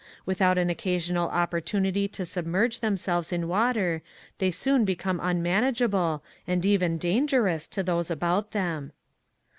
Without an occasional oppor tunity to submerge themselves in water they soon become unmanageable and even ‚ñÝdangerous to those about them.